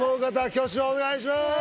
挙手をお願いします